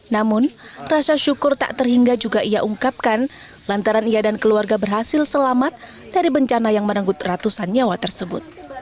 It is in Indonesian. namun rasa syukur tak terhingga juga ia ungkapkan lantaran ia dan keluarga berhasil selamat dari bencana yang merenggut ratusan nyawa tersebut